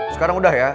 sekarang udah ya